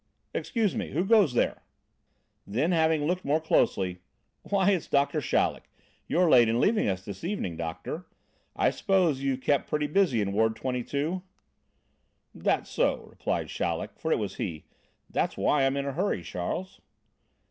"Excuse me, who goes there?" Then, having looked more closely: "Why it's Doctor Chaleck! You're late in leaving us this evening, doctor. I suppose you've been kept pretty busy in ward 22?" "That's so," replied Chaleck, for it was he. "That's why I'm in a hurry, Charles."